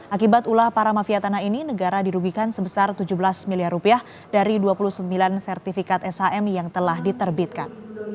akibat ulah para mafia tanah ini negara dirugikan sebesar tujuh belas miliar rupiah dari dua puluh sembilan sertifikat shm yang telah diterbitkan